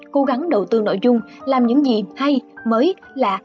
cố gắng đầu tư nội dung làm những gì hay mới lạ